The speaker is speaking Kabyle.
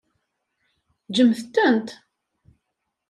Ǧǧemt-tent.